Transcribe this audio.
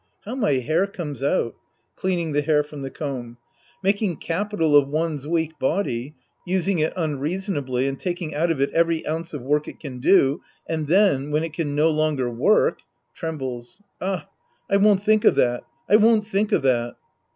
How my hair comes out ! {Cleaning the hair from the comb.) Making capital of Sc. I The Priest and His Disciples 161 one's weak body, using it unreasonably and taking out of it every ounce of work it can do, and then, when it can no longer work, — {Trembles.) ah, I won't think of that, I won't think of that.